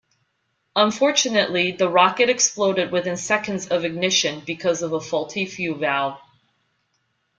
Unfortunately, the rocket exploded within seconds of ignition because of a faulty fuel valve.